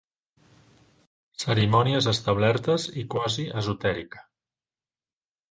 Cerimònies establertes i quasi esotèrica.